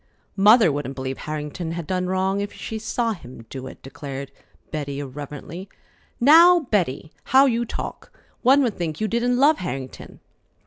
"Mother wouldn't believe Harrington had done wrong if she saw him do it," declared Betty irreverently. "Now, Betty! How you talk! One would think you didn't love Harrington."